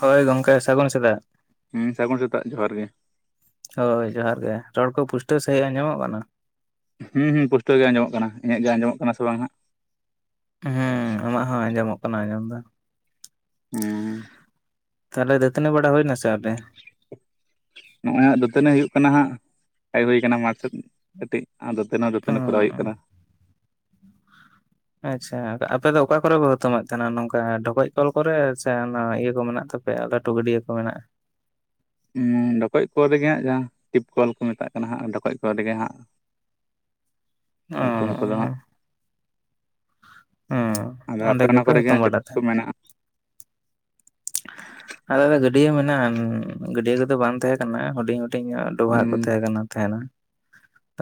ᱦᱳᱭ ᱜᱚᱝᱠᱮ ᱥᱟᱹᱜᱩᱱ ᱥᱮᱫᱟᱜ᱾ ᱦᱮᱸ ᱥᱟᱹᱜᱩᱱ ᱥᱮᱛᱟᱜ ᱡᱚᱦᱟᱨ ᱜᱮ᱾ ᱦᱳᱭ ᱡᱚᱦᱟᱨ ᱜᱮ ᱨᱚᱲ ᱠᱚ ᱯᱩᱥᱴᱟᱹᱣ ᱥᱟᱺᱦᱤᱡ ᱟᱸᱡᱚᱢᱚᱜ ᱠᱟᱱᱟ᱾ ᱦᱮᱸ ᱦᱮᱸ ᱯᱩᱥᱴᱟᱹᱣ ᱜᱮ ᱟᱸᱡᱚᱢᱚᱜ ᱠᱟᱱᱟ ᱤᱱᱟᱟᱹᱜ ᱜᱮ ᱟᱸᱡᱚᱢᱚᱜ ᱠᱟᱱᱟ ᱥᱮ ᱵᱟᱝ ᱦᱟᱸᱜ ᱦᱮ ᱟᱢᱟᱜ ᱦᱚᱸ ᱟᱸᱡᱚᱢᱚᱜ ᱠᱟᱱᱟ ᱟᱸᱡᱚᱢ ᱫᱚ᱾ ᱦᱮᱸ ᱛᱟᱦᱞᱮ ᱫᱟᱹᱛᱟᱹᱱᱤ ᱵᱟᱲᱟ ᱦᱩᱭ ᱱᱟᱥᱮ ᱟᱯᱮ ᱱᱚᱜᱼᱚᱭ ᱦᱟᱜ ᱫᱩᱛᱟᱹᱱᱤ ᱦᱩᱭᱩᱜ ᱠᱟᱱᱟ ᱦᱟᱸᱜ ᱦᱮᱜ ᱦᱩᱭ ᱠᱟᱱᱟ ᱢᱟᱴᱷ ᱠᱟᱹᱴᱤᱡ ᱟ ᱫᱟᱹᱛᱟᱹᱱᱤ ᱦᱚᱸ ᱫᱟᱹᱛᱟᱹᱱᱤ ᱠᱚᱨᱟᱣ ᱦᱩᱭᱩᱜ ᱠᱟᱱᱟ ᱚᱸ ᱟᱪᱪᱷᱟ ᱟᱯᱮ ᱫᱚ ᱚᱠᱟ ᱠᱚᱨᱮ ᱯᱮ ᱦᱩᱛᱚᱢᱚ ᱛᱟᱦᱮᱱᱟ ᱱᱚᱝᱠᱟ ᱰᱷᱚᱠᱚᱡ ᱠᱚᱞ ᱠᱚᱨᱮ ᱥᱮ ᱤᱭᱟᱹ ᱠᱚ ᱢᱮᱱᱟᱜ ᱛᱟᱯᱮ ᱯᱮ ᱞᱟᱹᱴᱩ ᱜᱟᱹᱰᱭᱟᱹ ᱠᱚ ᱢᱮᱱᱟᱜᱼᱟ ᱰᱚᱠᱚᱡ ᱠᱚ ᱨᱮᱜᱮ ᱦᱟᱸᱜ ᱡᱟᱦᱟᱸ ᱴᱤᱯ ᱠᱚᱞ ᱠᱚ ᱢᱮᱛᱟᱜ ᱠᱟᱱᱟ ᱦᱟᱸ ᱰᱚᱠᱚᱡ ᱠᱚᱞ ᱨᱮᱜᱮ ᱦᱟᱸᱜ [unintelligible] ᱧᱩᱛᱩᱢ ᱠᱚᱫᱚ ᱦᱟᱸᱜ ᱚ ᱟᱫᱚ ᱟᱯᱮ ᱚᱸᱰᱮ ᱚᱱᱟ ᱜᱮᱯᱮ ᱠᱚᱨᱮ ᱜᱮ ᱦᱩᱛᱩᱢ ᱦᱟᱸᱜ ᱪᱮᱫ ᱵᱟᱲᱟ ᱠᱚ ᱠᱚ ᱛᱟᱦᱮᱸᱱ? ᱢᱮᱱᱟᱜᱼᱟ? ᱟᱞᱮ ᱨᱮ ᱜᱟᱹᱰᱭᱟᱹ ᱢᱮᱱᱟᱜᱼᱟ ᱜᱟᱹᱰᱭᱟᱹ ᱠᱚᱫᱚ ᱵᱟᱝ ᱛᱟᱦᱮᱸ ᱠᱟᱱᱟ ᱦᱩᱰᱤᱧ ᱦᱩᱰᱤᱧ ᱦᱩᱤᱧᱚᱜ ᱰᱚᱵᱷᱟᱜ ᱦᱩᱸ ᱠᱚ ᱛᱟᱦᱮᱸ ᱠᱟᱱᱟ ᱛᱟᱦᱮᱸᱱᱟ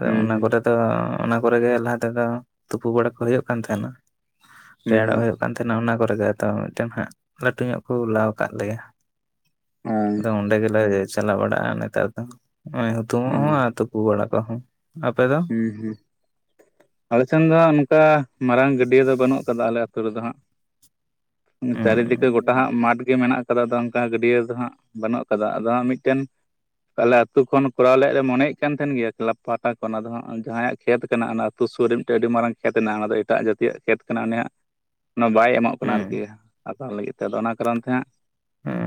ᱦᱩᱸ ᱚᱱᱟ ᱦᱩᱸ ᱠᱚᱨᱮ ᱫᱚ ᱚᱱᱟ ᱠᱚᱨᱮ ᱜᱮ ᱞᱟᱦᱟ ᱛᱮᱫᱚ ᱛᱩᱯᱩ ᱵᱟᱲᱟ ᱠᱚ ᱦᱩᱭᱩᱜ ᱠᱟᱱ ᱛᱟᱦᱮᱱᱟ ᱦᱩᱸ ᱨᱮᱭᱟᱲᱚᱜ ᱦᱩᱭᱩᱜ ᱠᱟᱱ ᱛᱟᱦᱮᱱᱟ ᱚᱱᱟ ᱠᱚ ᱛ ᱠᱚᱨᱮ ᱜᱮ ᱛᱚ ᱢᱤᱫᱴᱮᱱ ᱦᱟᱸᱜ ᱞᱟᱹᱴᱩ ᱧᱚᱜ ᱠᱚ ᱞᱟ ᱠᱟᱜ ᱞᱮᱭᱟ᱾ ᱦᱩᱸ ᱟᱫᱚ ᱚᱸᱰᱮ ᱜᱮᱞᱮ ᱪᱟᱟᱞᱣ ᱵᱟᱲᱟᱜᱼᱟ ᱱᱮᱛᱟᱨ ᱫᱚ ᱦᱩᱛᱩᱢᱚᱜ ᱦᱚᱸ ᱟᱨ ᱛᱩᱯᱩ ᱵᱟᱲᱟ ᱠᱚᱟᱜ ᱦᱚᱸ ᱦᱮᱸ ᱦᱩᱸ ᱟᱞᱮ ᱥᱮᱱ ᱫᱚ ᱱᱚᱚᱱᱠᱟ ᱢᱟᱨᱟᱝ ᱜᱟᱹᱰᱭᱟᱹ ᱫᱚ ᱵᱟᱹᱱᱩᱜ ᱟᱠᱟᱫᱟ ᱟᱞᱮ ᱛᱳ ᱨᱮᱫᱚ ᱦᱟᱸᱜ ᱪᱟᱹᱨᱤᱫᱤᱠᱟᱹ ᱜᱚᱴᱟ ᱦᱩᱸ ᱦᱟᱸᱜ ᱢᱟᱴᱷ ᱜᱮ ᱢᱮᱱᱟᱜ ᱠᱟᱫᱟ ᱟᱫᱚ ᱚᱱᱠᱟ ᱜᱟᱹᱰᱭᱟᱹ ᱫᱚ ᱦᱟᱸᱜ ᱵᱟᱹᱱᱩᱜ ᱠᱟᱫᱟ ᱟᱫᱚ ᱦᱟᱸᱜ ᱢᱤᱫᱴᱮᱱ ᱟᱞᱮ ᱟᱹᱛᱩ ᱠᱷᱚᱱ ᱠᱚᱨᱟᱣ ᱞᱮᱫ ᱞᱮ ᱢᱚᱱᱮᱭ ᱠᱟᱱ ᱛᱟᱦᱮᱱ ᱜᱮᱭᱟ ᱠᱞᱟᱵ ᱯᱟᱦᱴᱟ ᱚᱱᱟ ᱫᱚ ᱦᱟᱸᱜ ᱡᱟᱦᱟᱸᱭᱟᱜ ᱠᱷᱮᱛ ᱠᱟᱱᱟ ᱚᱱᱟ ᱟᱹᱛᱩ ᱥᱩᱨ ᱨᱮ ᱢᱤᱫᱴᱮᱱ ᱟᱹᱰᱤ ᱢᱟᱨᱟᱝ ᱠᱷᱮᱛ ᱢᱮᱱᱟᱜ-ᱟ ᱚᱱᱟ ᱫᱚ ᱮᱴᱟᱜ ᱡᱟᱹᱛᱤᱭᱟᱜ ᱠᱷᱮᱛ ᱠᱟᱱᱟ ᱩᱱᱤᱭᱟᱜ ᱚᱱᱟ ᱵᱟᱭ ᱮᱢᱚᱜ ᱠᱟᱱᱟ ᱟᱨᱠᱤ ᱦᱩᱸ ᱦᱟᱛᱟᱣ ᱞᱟᱹᱜᱤᱫ ᱛᱮᱫᱚ ᱚᱱᱟ ᱠᱟᱨᱚᱱ ᱛᱮ ᱦᱟᱸᱜ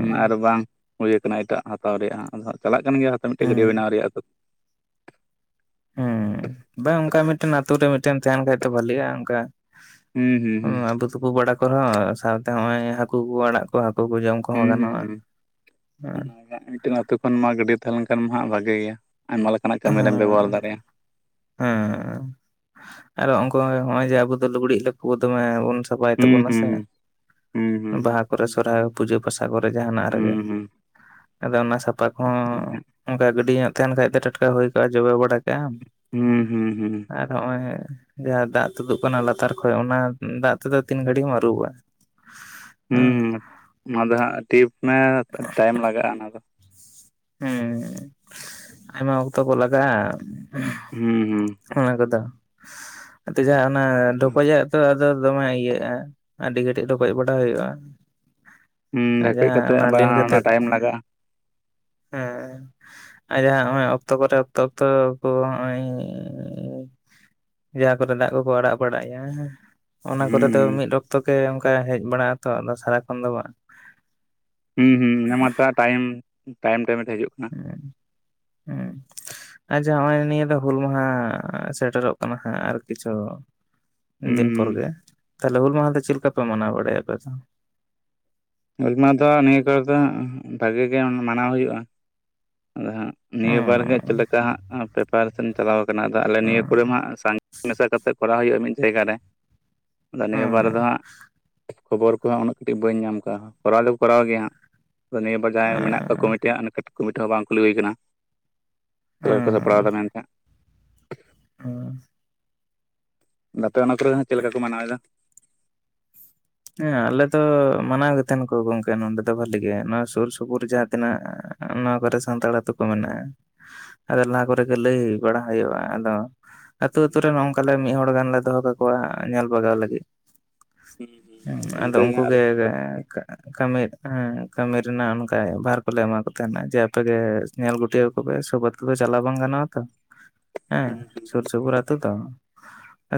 ᱦᱚᱸ ᱟᱨ ᱵᱟᱝ ᱦᱩᱭ ᱠᱟᱱᱟ ᱮᱴᱟᱜ ᱦᱟᱛᱟᱣ ᱨᱮᱭᱟᱜ ᱟᱫᱚ ᱦᱟᱸᱜ ᱪᱟᱞᱟᱜ ᱠᱟᱱᱟ ᱠᱟᱱ ᱜᱮᱭᱟ ᱦᱟ ᱢᱤᱫᱴᱮᱱ ᱜᱟᱹᱭᱟᱹ ᱦᱩᱸ ᱵᱮᱱᱟᱣ ᱨᱮᱭᱟᱜ ᱫᱚ ᱦᱮᱸ ᱵᱟᱝ ᱚᱱᱠᱟ ᱢᱤᱫᱴᱮᱱ ᱟᱛᱳ ᱨᱮ ᱢᱤᱫᱴᱮᱱ ᱛᱟᱦᱮᱟᱸᱱ ᱠᱷᱟᱡ ᱫᱚ ᱵᱷᱷᱟᱞᱤᱜᱼᱟ ᱚᱱᱠᱟ ᱦᱩᱸ ᱦᱩᱸ ᱦᱚᱸ ᱟᱫᱚ ᱛᱩᱯᱩ ᱵᱟᱲᱟ ᱠᱚᱨᱮᱦᱚᱸ ᱥᱟᱶᱛᱮ ᱦᱚᱸᱜᱼᱚᱭ ᱦᱟᱹᱠᱩ ᱠᱚ ᱟᱲᱟᱜ ᱠᱚ ᱦᱟᱠᱩ ᱦᱩᱸ ᱦᱸ ᱦᱩᱸ ᱦᱮᱸ ᱚ ᱢᱤᱫᱴᱮᱱᱛᱳ ᱠᱷᱚᱱ ᱢᱟ ᱜᱟᱹᱰᱤ ᱛᱟᱦᱮᱸᱞᱱᱠᱷᱟᱱ ᱢᱟ ᱦᱜ ᱵᱷᱟᱜᱮ ᱜᱮᱭᱟ᱾ ᱟᱭᱢᱟ ᱞᱮᱠᱟᱱᱟᱜ ᱠᱟᱹᱢᱤᱮᱢ ᱵᱮᱵᱚᱦᱟᱨ ᱫᱟᱲᱮᱭᱟᱜᱼᱟ ᱚᱭ ᱦᱚᱸᱜᱼᱚᱭ ᱡᱮ ᱟᱵᱚ ᱫᱚ ᱞᱩᱜᱽᱲᱤᱡ ᱞᱟᱵ ᱫᱚᱢᱮᱵᱚᱱ ᱪᱷᱟᱯᱟᱭ ᱦᱩᱸ ᱛᱟᱵᱚᱱᱟ ᱥᱮ ᱦᱩᱸ ᱦᱩᱸ ᱦᱩᱸ ᱵᱟᱦᱟ ᱠᱚᱨᱮ ᱥᱚᱨᱦᱟᱭ ᱯᱩᱡᱟᱹ ᱯᱟᱥ ᱥᱟ ᱠᱚᱨᱮ ᱡᱟᱦᱟᱱᱟᱜ ᱦᱩᱸ ᱨᱮᱜᱮ ᱦᱩᱸ ᱦᱩᱸ ᱟᱫᱚ ᱚᱱᱟ ᱥᱟᱯᱟ ᱠᱚᱦᱚᱸ ᱦᱩᱸ ᱚᱱᱠᱟ ᱜᱟᱹᱰᱤ ᱧᱚᱜ ᱛᱟᱦᱮᱱ ᱠᱷᱟ ᱫᱚ ᱴᱟᱴᱼᱼ ᱚᱱᱠᱟ ᱦᱩᱭ ᱠᱚᱜᱼᱟ ᱡᱚᱵᱮ ᱵᱟᱲᱟ ᱠᱮᱜᱽ ᱟᱢ ᱦᱩᱸ ᱦᱩᱸ ᱦᱩᱸ ᱦᱩᱸ ᱟᱨ ᱦᱚᱸᱜᱼᱚᱭ ᱡᱟᱦᱟᱸ ᱫᱟᱜ ᱛᱩᱫᱩᱜ ᱠᱟᱱᱟ ᱞᱟᱛᱟᱨ ᱠᱷᱚᱡ ᱚᱱᱟ ᱫᱟᱜ ᱛᱮᱫᱚ ᱛᱤᱱ ᱜᱷᱟᱹᱲᱤᱡ ᱮᱢ ᱟᱹᱩᱵᱟᱵᱟ ᱦᱮᱸ ᱚᱱᱟ ᱫᱚ ᱦᱟᱸᱜ ᱴᱤᱯ ᱢᱮ ᱴᱟᱭᱤᱢ ᱞᱟᱜᱟᱜᱼᱟ ᱚᱱᱟ ᱫᱚ ᱦᱮᱸ ᱟᱭᱢᱟ ᱚᱠᱛᱚ ᱠᱚ ᱞᱟᱜᱟᱜᱼᱟ᱾ ᱦᱩᱸ ᱦᱚᱸ ᱚᱱᱟ ᱠᱚᱫᱚ ᱛᱮ ᱡᱟᱦᱟᱸ ᱚᱱᱟ ᱦᱩᱸ ᱰᱷᱚᱠᱚᱡᱟᱜ ᱛᱚ ᱟᱫᱚ ᱫᱚᱢᱮ ᱤᱭᱟᱹᱜᱼᱟ ᱟᱹᱰᱤ ᱜᱷᱴᱤᱡ ᱰᱷᱚᱠᱚᱡ ᱵᱟᱲᱟ ᱦᱩᱭᱩᱜᱼᱟ᱾ ᱦᱩᱸ ᱟᱪ ᱰᱷᱮᱠᱚᱡ ᱡᱟᱦᱟᱸ ᱠᱟᱛᱮᱜ ᱚᱱᱟ ᱟᱵᱟᱨ ᱞᱤᱱ ᱠᱟᱛᱮ ᱚᱱᱟ ᱴᱟᱭᱤᱢ ᱞᱟᱜᱟᱜᱼᱟ ᱦᱮᱸ ᱟᱡ ᱡᱟᱦᱟ ᱱᱚᱜᱼᱚᱭ ᱚᱠᱛᱚ ᱠᱚᱨᱮ ᱚᱠᱛᱚ ᱚᱠᱛᱚ ᱠᱚ ᱱᱚᱜᱼᱚᱭ ᱡᱟᱦᱟᱸ ᱠᱚᱨᱮ ᱫᱟᱜ ᱠᱚᱠᱚ ᱟᱲᱟᱜ ᱵᱟᱲᱟᱜᱭᱟ ᱚᱱᱟ ᱠᱚᱨᱮ ᱫᱚ ᱦᱩᱸ ᱢᱤᱫ ᱚᱠᱛᱚ ᱜᱮ ᱚᱱᱠᱟ ᱦᱮᱡ ᱵᱟᱲᱟᱜ ᱟᱛᱚ ᱟᱫᱚ ᱥᱟᱨᱟᱠᱷᱚᱱ ᱫᱚ ᱵᱟᱝ ᱦᱩᱸ ᱦᱩᱸ ᱢᱟᱛᱚ ᱴᱟᱭᱤᱢ ᱴᱟᱭᱤᱢ ᱴᱟᱭᱢ ᱦᱤᱡᱩᱜ ᱠᱟᱱ ᱦᱩᱸ ᱮ ᱱᱚᱜᱼᱚᱭ ᱱᱤᱭᱟᱹ ᱫᱚ ᱦᱩᱞ ᱢᱟᱦᱟ ᱥᱮᱴᱮᱨᱚᱜ ᱠᱟᱱᱟ ᱦᱟᱸᱜ ᱟᱨ ᱠᱤᱪᱷᱩ ᱫᱤᱱ ᱯᱚᱨ ᱜᱮ ᱦᱩᱸ ᱛᱟᱦᱞᱮ ᱦᱩᱞ ᱢᱟᱦᱟ ᱫᱚ ᱪᱮᱫ ᱞᱮᱠᱟ ᱯᱮ ᱢᱟᱱᱟᱣ ᱵᱟᱲᱟᱭᱟ ᱟᱯᱮ ᱫᱚ ᱩᱢᱟ ᱫᱚ ᱱᱤᱭᱟᱹ ᱠᱚᱨᱮ ᱫᱚ ᱵᱷᱟᱜᱮ ᱜᱮ ᱢᱟᱱᱟᱣ ᱦᱩᱭᱩᱜᱼᱟ ᱟᱫᱚ ᱦᱟᱸᱜ ᱱᱤᱭᱟᱹ ᱵᱟᱨ ᱜᱮ ᱪᱮᱫ ᱦᱩᱸ ᱞᱮᱠᱟ ᱦᱟᱸᱜ ᱱᱛᱮ ᱵᱮᱯᱟᱨ ᱥᱮ ᱪᱟᱞᱟᱣ ᱠᱟᱱᱟ ᱟ ᱟᱞᱮ ᱦᱩᱸ ᱱᱤᱭᱟᱹ ᱠᱚᱨᱮ ᱢᱟᱜ ᱥᱟᱸᱜ ᱢᱮᱥᱟ ᱠᱟᱛᱮ ᱠᱚᱨᱟᱣ ᱦᱩᱭᱩᱜᱼᱟ ᱢᱤᱫ ᱡᱟᱭᱜᱟ ᱨᱮ ᱟᱫᱚ ᱱᱤᱭᱟᱹ ᱵᱟᱨᱮ ᱫᱚ ᱦᱟᱸᱜ ᱠᱷᱚᱵᱚᱨ ᱠᱚᱦᱟᱸᱜ ᱩᱱᱟᱹᱜ ᱠᱟᱹᱴᱤᱡ ᱵᱟᱹᱧ ᱧᱟᱢ ᱟᱠᱟᱫᱟ ᱠᱚᱨᱟᱣ ᱫᱚᱠᱚ ᱠᱚᱨᱟᱣ ᱜᱮᱭᱟ ᱦᱟᱸᱜ ᱱᱤᱭᱟᱹᱵᱟᱨ ᱦᱩᱸ ᱡᱟᱦᱟᱸᱭ ᱢᱮᱱᱟᱜ ᱦᱩᱸ ᱠᱚᱣᱟ ᱠᱚᱢᱤᱴᱤᱭ ᱠᱚᱢᱤᱴᱤ ᱦᱚᱸ ᱵᱟᱝ ᱠᱩᱞᱤ ᱦᱩᱭ ᱟᱠᱟᱱᱟ ᱥᱮ ᱠᱚ ᱥᱟᱯᱲᱟᱣ ᱮᱫᱟ ᱢᱮᱱᱛᱮ ᱦᱮᱸ [unintelligible] ᱟᱯᱮ ᱚᱱᱟ ᱠᱚᱨᱮ ᱦᱚᱸ ᱪᱮᱫ ᱞᱮᱠᱟ ᱠᱚ ᱢᱟᱱᱟᱣᱮᱫᱫᱟ ᱦᱮᱸ ᱟᱞᱮ ᱫᱚ ᱢᱟᱱᱟᱣ ᱜᱮ ᱛᱟᱦᱮᱱ ᱠᱚ ᱜᱚᱝᱠᱮ ᱱᱚᱰᱮ ᱫᱚ ᱵᱷᱷᱟᱞᱤ ᱜᱮ ᱱᱚᱣᱟ ᱥᱩᱨ ᱥᱩᱯᱩᱨ ᱡᱟᱦᱟᱸ ᱛᱤᱱᱟᱹᱜ ᱱᱚᱣᱟ ᱠᱚᱨᱮ ᱥᱟᱱᱛᱟᱲ ᱟᱹᱛᱩ ᱠᱚ ᱢᱮᱱᱟᱜᱼᱟ ᱟᱫᱚ ᱞᱟᱦᱟ ᱠᱚᱨᱮᱜ ᱞᱟᱹᱭ ᱵᱟᱲᱟ ᱦᱩᱭᱩᱜᱼᱟ ᱟᱫᱚ ᱟᱹᱛᱩ ᱟᱹᱛᱩᱩᱨ ᱨᱮ ᱱᱚᱝᱠᱟᱞᱮ ᱢᱤᱫ ᱦᱚᱲ ᱜᱟᱱᱞᱮ ᱫᱚᱦᱚ ᱠᱟᱠᱚᱣᱟ ᱧᱮᱞ ᱵᱟᱜᱟᱣ ᱞᱟᱹᱜᱤᱫ ᱟᱫᱚ ᱤᱱᱠᱟᱹᱜᱮ ᱩᱱᱠᱩ ᱟᱞᱮ ᱜᱮ [unintelligible] ᱠᱟᱹᱢᱤ ᱦᱮᱸ ᱠᱟᱹᱢᱤ ᱨᱮᱱᱟᱜ ᱚᱱᱠᱟ ᱵᱷᱟᱨ ᱠᱚᱞᱮ ᱮᱢᱟ ᱠᱚ ᱛᱟᱦᱮᱱᱟ ᱡᱮ ᱟᱯᱮᱜᱮ ᱧᱮᱞ ᱜᱩᱴᱤᱣ ᱠᱚᱯ ᱥᱚᱵᱛᱚ ᱠᱚ ᱫᱚ ᱪᱟᱞᱟᱣ ᱵᱟᱝ ᱜᱟᱱᱚᱜᱼᱟ ᱛᱚ ᱦᱮᱸ ᱥᱩᱨ ᱥᱩᱯᱩᱨ ᱟᱛᱳ ᱛᱚ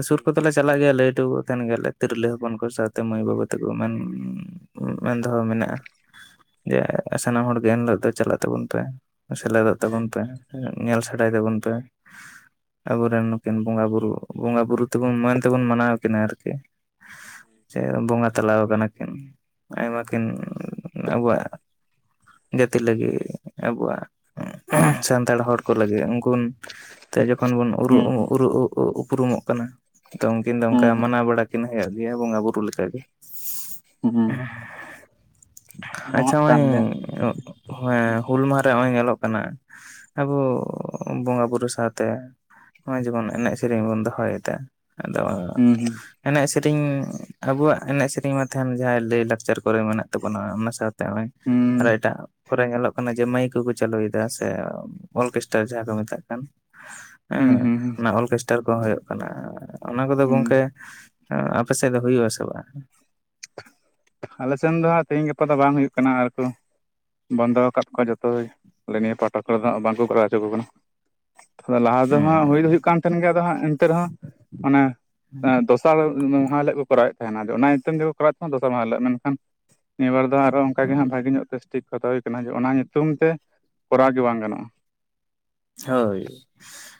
ᱥᱩᱨ ᱠᱚᱫᱚᱞᱮ ᱪᱟᱞᱟᱜ ᱜᱮᱭᱟ ᱞᱟᱹᱭᱴᱚ ᱛᱮᱱ ᱜᱮᱞᱮ ᱛᱤᱨᱞᱟᱹ ᱦᱚᱯᱚᱱ ᱠᱚ ᱥᱟᱶ ᱛᱮᱹ ᱢᱟᱹᱭ ᱵᱟᱹᱵᱩ ᱛᱮᱠᱚ ᱢᱮᱱ ᱢᱮᱱ ᱫᱚᱦᱚ ᱢᱮᱱᱟᱜᱼᱟ ᱡᱮ ᱥᱟᱱᱟᱢ ᱦᱚᱲ ᱜᱮ ᱮᱱ ᱦᱤᱞᱳᱜ ᱫᱚ ᱪᱟᱞᱟᱜ ᱛᱟᱵᱚᱱ ᱯᱮ ᱥᱮᱞᱮᱫᱚᱜ ᱛᱟᱵᱚᱱ ᱯᱮ ᱧᱮᱞ ᱥᱮᱰᱟᱭ ᱛᱟᱵᱚᱱ ᱯᱮ ᱟᱵᱚᱨᱮᱱ ᱱᱩᱠᱤᱱ ᱵᱚᱸᱜᱟᱼᱵᱩᱨᱩ ᱵᱚᱸᱜᱟᱼᱵᱩᱨᱩ ᱛᱮᱵᱚᱱ ᱢᱟ, ᱱ ᱛᱮᱵᱚᱱ ᱢᱟᱱᱟᱣ ᱠᱤᱱᱟ ᱟᱨᱠᱤ ᱥᱮ ᱵᱚᱸᱜᱟ ᱛᱟᱞᱟ ᱠᱟᱱᱟ ᱠᱤᱱ ᱟᱭᱢᱟ ᱠᱤᱱ ᱟᱵᱚᱣᱟᱜ ᱡᱟᱹᱛᱤ ᱞᱟᱹᱜᱤᱜ ᱟᱵᱚᱣᱟᱜ ᱩᱸ ᱥᱟᱱᱛᱟᱲ ᱦᱚᱲ ᱠᱚ ᱞᱟᱹᱜᱤᱜ ᱩᱱᱠᱩ ᱛᱮ ᱠᱷᱚᱱ ᱵᱚᱱ ᱦᱩᱸ ᱩᱨᱩ-ᱩ-ᱩᱨᱩ-ᱩ-ᱩ-ᱩᱯᱩᱨᱩᱢᱚᱜ ᱠᱟᱱᱟ ᱛᱚ ᱩᱱᱠᱤᱱ ᱫᱚ ᱦᱩᱸ ᱚᱱᱠᱟ ᱢᱟᱱᱟᱣ ᱵᱟᱲᱟ ᱠᱤᱱ ᱦᱮᱭᱚᱜ ᱜᱮᱭᱟ ᱵᱚᱸᱜᱟ-ᱵᱩᱨᱩ ᱞᱮᱠᱟᱜᱮ ᱦᱩᱸ ᱦᱩᱸ ᱟᱪᱪᱷᱟ ᱱᱟᱣᱟᱜ ᱢᱟᱹᱭ ᱠᱟᱱ ᱜᱮᱭᱟ ᱦᱚᱭ ᱦᱩᱞ ᱢᱟᱦᱟᱨᱮ ᱱᱚᱜᱚᱭ ᱧᱮᱞᱚᱜ ᱠᱟᱱᱟ ᱟᱵᱚ ᱵᱚᱸᱜᱟ ᱵᱩᱨᱩ ᱥᱟᱶᱛᱮ ᱦᱚᱜᱚᱭ ᱡᱮᱢᱚᱱ ᱮᱱᱮᱡ ᱥᱮᱨᱮᱧ ᱵᱚᱱ ᱫᱚᱦᱚᱭ ᱫᱟ ᱟᱫᱚ ᱦᱩᱸ ᱮᱱᱮᱡ ᱥᱮᱨᱮᱧ ᱟᱵᱚᱣᱟᱜ ᱮᱱᱮᱡ ᱥᱮᱨᱮᱧ ᱢᱟ ᱛᱟᱦᱮᱱ ᱡᱟᱦᱟ ᱞᱟᱹᱭ ᱞᱟᱠᱪᱟᱨ ᱠᱚᱨᱮ ᱢᱮᱱᱟᱜ ᱛᱟᱵᱚᱱᱟ ᱚᱱᱟ ᱥᱟᱶ ᱱᱚᱜᱼᱚᱭ ᱦᱩᱸ ᱟᱨᱚ ᱮᱴᱟᱜ ᱠᱚᱨᱮ ᱧᱮᱞᱚᱜ ᱠᱟᱱᱟ ᱡᱮ ᱢᱟᱹᱭᱤᱠ ᱠᱚᱠᱚ ᱪᱟᱹᱞᱩᱭᱫᱟ ᱥᱮ ᱚᱞᱜᱮᱥᱴᱟᱨ ᱡᱟᱦᱟᱸ ᱠᱚ ᱢᱮᱛᱟᱜ ᱠᱟᱱ ᱦᱩᱸ ᱦᱮᱸ ᱦᱩᱸ ᱦᱩᱸ ᱚᱱᱟ ᱚᱞᱜᱮᱥᱴᱟᱨ ᱠᱚᱸ ᱦᱳᱭᱳᱜ ᱠᱟᱱᱟ ᱚᱱᱟ ᱠᱚᱫᱚ ᱦᱩᱸ ᱜᱚᱝᱠᱮ ᱟᱯᱮ ᱥᱮᱫ ᱫᱚ ᱦᱳᱭᱳᱜ ᱟᱥᱮ ᱵᱟᱝ ᱟᱞᱮ ᱥᱮᱱ ᱫᱚ ᱦᱟᱸᱜ ᱛᱮᱦᱮᱧ ᱜᱟᱯᱟ ᱫᱚ ᱵᱟᱝ ᱦᱳᱭᱳᱜ ᱠᱟᱱᱟ ᱟᱨᱠᱚ ᱵᱚᱱᱫᱚ ᱠᱟᱫ ᱠᱚᱣᱟ ᱡᱚᱛᱚ ᱟᱞᱮ ᱱᱤᱭᱟᱹ ᱯᱟᱦᱟᱴᱟ ᱠᱚᱨᱮ ᱫᱚᱜ ᱵᱟᱝᱠᱚ ᱠᱚᱨᱟᱣ ᱦᱚᱪᱚ ᱠᱚ ᱠᱟᱱᱟ ᱞᱟᱦᱟ ᱫᱚᱦᱟᱸᱜ ᱦᱳᱭ ᱫᱚ ᱦᱳᱭᱳᱜ ᱠᱟᱱ ᱛᱟᱦᱮᱱ ᱜᱮᱭᱟ ᱦᱟᱸᱜ ᱤᱱᱛᱮ ᱨᱮᱦᱚᱸ ᱚᱱᱮ ᱫᱚᱥᱟᱨ ᱢᱟᱦᱟ ᱦᱤᱞᱳᱜ ᱠᱚᱨᱟᱣᱮᱫ ᱛᱟᱦᱮᱱᱟ ᱚᱱᱟ [unintelligible] [unintelligible] ᱫᱚᱥᱟᱨ ᱢᱟᱦᱟᱸ ᱦᱤᱞᱳᱼᱟ ᱢᱮᱱᱠᱷᱟᱱ ᱱᱤᱭᱟᱹᱵᱟᱨ ᱫᱚ ᱟᱨᱚ ᱚᱱᱠᱟ ᱜᱮ ᱦᱟᱸᱜ ᱦᱩᱸ ᱵᱷᱟᱜᱮ ᱧᱚᱜ ᱛᱮᱥ ᱴᱤᱠ ᱠᱟᱛᱷᱟ ᱦᱳᱭ ᱠᱟᱱᱟ ᱡᱮ ᱚᱱᱟ ᱧᱩᱛᱩᱢ ᱛᱮ ᱠᱚᱨᱟᱣ ᱜᱮ ᱵᱟᱝ ᱜᱟᱱᱚᱜᱼᱟ ᱦᱳᱭ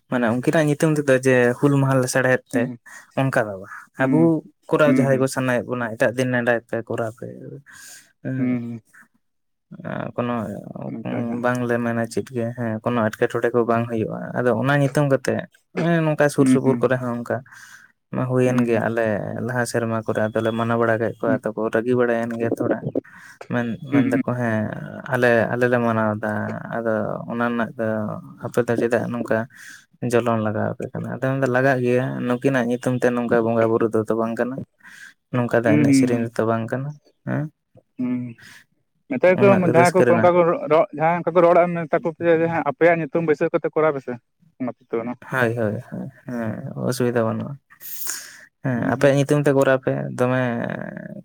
ᱢᱟᱱᱮ ᱩᱱᱠᱤᱱᱟᱜ ᱧᱩᱛᱩᱢ ᱛᱮᱫᱚ ᱡᱮ ᱦᱩᱞ ᱢᱟᱦᱟ ᱞᱮ ᱛᱮᱲᱮᱫ ᱛᱮ ᱦᱩᱸ ᱚᱱᱠᱟ ᱫᱚ ᱵᱟ ᱟᱵᱩ ᱦᱩᱸ ᱠᱚᱨᱟᱣ ᱦᱩᱸ ᱡᱟᱦᱟᱸᱭ ᱠᱚ ᱦᱩᱸ ᱥᱟᱱᱟᱭᱮᱜ ᱵᱚᱱᱟ ᱮᱴᱟᱜ ᱫᱤᱱ ᱱᱮᱰᱟᱭ ᱯᱮ ᱠᱚᱨᱟᱣ ᱯᱮ ᱦᱩᱸ ᱦᱩᱸ ᱩᱸ ᱠᱳᱱᱚ ᱚᱱᱠᱟ ᱜᱮ ᱦᱟᱸᱜ ᱵᱟᱝᱞᱮ ᱢᱮᱱᱟ ᱪᱮᱫ ᱜᱮ ᱦᱮᱸ ᱠᱳᱱᱚ ᱮᱴᱠᱮᱴᱚᱬᱮ ᱠᱚ ᱵᱟᱝ ᱦᱳᱭᱳᱜᱼᱟ ᱟᱫᱚ ᱚᱱᱟ ᱧᱩᱛᱩᱢ ᱠᱟᱛᱮᱜ ᱮ ᱱᱚᱠᱟ ᱥᱩᱨ ᱦᱩᱸ ᱥᱩᱯᱩᱨ ᱦᱩᱸ ᱠᱚᱨᱮ ᱦᱚᱸ ᱚᱱᱠᱟ ᱱᱚᱣᱟ ᱦᱩᱭᱮᱱ ᱦᱩᱸ ᱜᱮᱭᱟ ᱟᱞᱮ ᱞᱟᱦᱟ ᱥᱮᱨᱢᱟ ᱠᱚᱨᱮ ᱟᱫᱚ ᱞᱮ ᱢᱟᱱᱟ ᱵᱟᱲᱟ ᱠᱮᱫ ᱠᱚᱣᱟ ᱦᱩᱸ ᱟᱫᱚ ᱠᱚ ᱨᱟᱹᱜᱤ ᱵᱟᱲᱟᱭᱮᱱ ᱜᱮ ᱛᱷᱚᱲᱟ ᱢᱮᱱ ᱦᱩᱸ ᱢᱮᱱ ᱦᱩᱸ ᱫᱟᱠᱚ ᱦᱮᱸ ᱟᱞᱮ ᱟᱞᱮᱞᱮ ᱢᱟᱱᱟᱣᱫᱟ ᱟᱫᱚ ᱚᱱᱟ ᱱᱟᱜ ᱟᱫᱚ ᱟᱯᱮ ᱫᱚ ᱪᱮᱫᱟᱜ ᱱᱚᱝᱠᱟ ᱡᱚᱞᱚᱱ ᱞᱟᱜᱟᱣ ᱯᱮ ᱠᱟᱱᱟ ᱟᱫᱚ ᱢᱮᱱ ᱫᱟ ᱞᱟᱜᱟᱜ ᱜᱮᱭᱟ ᱱᱩᱠᱤᱱᱟᱜ ᱧᱩ ᱧᱩᱛᱩᱢ ᱛᱮ ᱱᱚᱝᱠᱟ ᱵᱚᱸᱜᱟᱼᱵᱩᱨᱩ ᱫᱚᱛᱚ ᱵᱟᱝ ᱠᱟᱱᱟ ᱱᱚᱝᱠᱟ ᱫᱚ ᱮᱱᱮᱡ ᱦᱩᱸ ᱦᱩᱸ ᱥᱮᱨᱮᱧ ᱦᱩᱸ ᱛᱚ ᱵᱟᱝ ᱠᱟᱱᱟ᱾ ᱦᱮᱸ ᱦᱩᱸ ᱢᱮᱛᱟᱭ ᱛᱚ ᱩᱱᱟᱹᱜ ᱡᱟᱦᱟᱸᱭ ᱠᱚ ᱨᱟᱹᱥᱠᱟᱹ ᱠᱚ ᱚᱱᱠᱟ ᱨᱮᱱᱟᱜ ᱠᱚ ᱨᱚ ᱨᱚ ᱡᱟᱦᱟᱸᱭ ᱚᱱᱠᱟ ᱠᱚ ᱨᱚᱲᱟ ᱢᱮᱛᱟ ᱠᱚᱯᱮ ᱡᱮ ᱦᱮᱸ ᱟᱯ ᱟᱯᱮᱭᱟᱜ ᱧᱩᱛᱩᱢ ᱵᱟᱹᱭᱥᱟᱹᱣ ᱠᱟᱛᱮ ᱠᱚᱨᱟᱣ ᱯᱮᱥᱮ ᱚᱱᱟ ᱛᱮᱫᱚ ᱦᱳᱭ ᱦᱳᱭ ᱦᱳᱭ ᱦᱮᱸ ᱚᱥᱩᱵᱤᱫᱷᱟ ᱵᱟᱹᱱᱩᱜᱼᱟ ᱦᱮᱸ ᱦᱩᱸ ᱟᱯᱮᱭᱟᱜ ᱧᱩᱛᱩᱢ ᱛᱮ ᱠᱚᱨᱟᱣ ᱯᱮ ᱫᱚᱢᱮ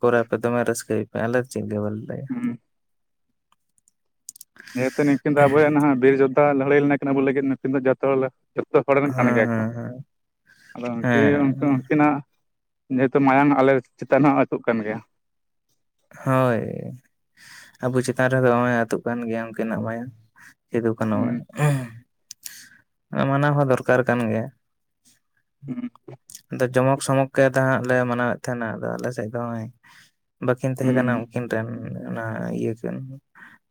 ᱠᱚᱨᱟᱣ ᱯᱮ ᱫᱚᱢᱮ ᱨᱟᱹᱥᱠᱟᱹᱭ ᱯᱮ ᱟᱞᱮ ᱪᱮ ᱜᱮ ᱵᱟᱞᱮ ᱞᱟᱹᱭᱟ ᱡᱮᱦᱮᱛᱚ ᱱᱤᱝᱠᱤᱱ ᱫᱚ ᱟᱵᱚ ᱦᱮᱸ ᱨᱮᱱ ᱱᱟᱦᱟᱜ ᱵᱤᱨ ᱡᱳᱫᱽᱫᱷᱟ ᱞᱟᱹᱲᱦᱟᱹᱭ ᱞᱮᱱᱟ ᱠᱤᱱ ᱟᱵᱚ ᱞᱟᱹᱜᱤᱫ ᱱᱩᱠᱤᱱ ᱫᱚ ᱡᱚᱛᱚ ᱦᱚᱲ ᱞᱟ ᱡᱚᱛᱛᱚ ᱦᱚᱲ ᱨᱮᱱ ᱠᱟᱱ ᱦᱮᱸ ᱜᱮᱭᱟ ᱠᱚ ᱦᱮᱸ ᱟᱫᱚ ᱩᱱᱠᱤᱱ ᱩᱱ ᱦᱮᱸ ᱩᱱᱠᱤᱱᱟᱜ ᱡᱮᱦᱮᱛᱩ ᱢᱟᱭᱟᱝ ᱟᱞᱮ ᱪᱮᱛᱟᱱ ᱦᱚᱸ ᱟᱹᱛᱩᱜ ᱠᱟᱱ ᱜᱮᱭᱟ ᱦᱳᱭ ᱟᱵᱚ ᱪᱮᱛᱟᱱ ᱨᱮᱫᱚ ᱦᱚᱜ ᱚᱭ ᱟᱹᱛᱩᱜ ᱠᱟᱱ ᱜᱮᱭᱟ ᱩᱱᱠᱤᱱᱟᱜ ᱢᱟᱭᱟᱝ ᱥᱤᱫᱩᱼᱠᱟᱹᱱᱩ ᱦᱩᱸ ᱟ ᱩᱸ ᱢᱟᱱᱟᱣ ᱦᱚᱸ ᱫᱚᱨᱠᱟᱨ ᱠᱟᱱ ᱜᱮᱭᱟ᱾ ᱦᱩᱸ ᱟᱫᱚ ᱡᱚᱢᱚᱠ ᱥᱚᱢᱚᱠ ᱜᱮ ᱛᱟᱦᱟᱸᱜ ᱞᱮ ᱢᱟᱱᱟᱣᱮᱜ ᱛᱟᱦᱮᱱᱟ ᱟᱫᱚ ᱟᱞᱮᱥᱮᱫ ᱫᱚ ᱦᱚᱜᱼᱚᱭ ᱵᱟᱹᱠᱤᱱ ᱛᱟᱦᱮᱸ ᱦᱩᱸ ᱠᱟᱱᱟ ᱩᱱᱠᱤᱱ ᱨᱮᱱ ᱦᱩᱸ ᱚᱱᱟ ᱤᱭᱟᱹ ᱠᱮᱱ